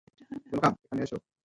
আজ তিন ভাই একত্র হইবে।